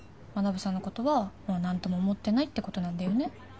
学さんのことはもう何とも思ってないってことなんだよね？